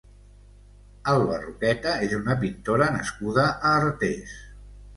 Alba Roqueta és una pintora nascuda a Artés.